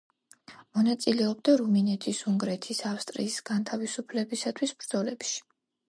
მონაწილეობდა რუმინეთის, უნგრეთის, ავსტრიის განთავისუფლებისათვის ბრძოლებში.